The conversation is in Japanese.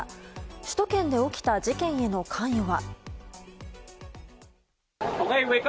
首都圏で起きた事件への関与は。